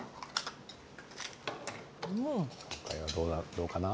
これはどうかな？